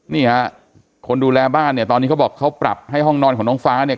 นี่ฮะคนดูแลบ้านเนี่ยตอนนี้เขาบอกเขาปรับให้ห้องนอนของน้องฟ้าเนี่ย